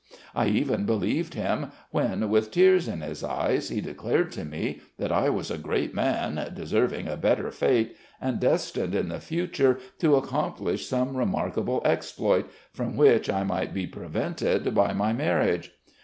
I even believed him when, with tears in his eyes, he declared to me that I was a great man, deserving a better fate, and destined in the future to accomplish some remarkable exploit, from which I might be prevented by my marriage.